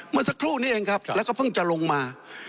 เมื่อสักครู่นี้เองครับแล้วก็เพิ่งจะลงมา